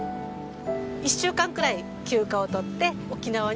１週間くらい休暇を取って沖縄に来る。